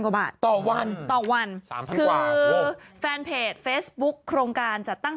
กว่าบาทต่อวันต่อวันสามพันคือแฟนเพจเฟซบุ๊คโครงการจัดตั้ง